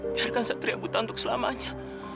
biarkan satria buta untuk selamanya